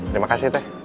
terima kasih teh